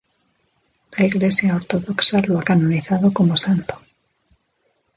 La Iglesia ortodoxa lo ha canonizado como santo.